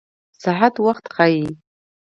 ساعت وخت ښيي